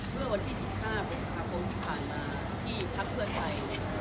เมื่อวันที่๑๕พฤษภาคมที่ผ่านมาที่พักเพื่อไทย